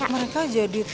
kok mereka jadi tak